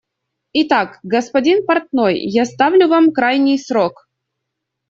Итак, господин портной, я ставлю вам крайний срок.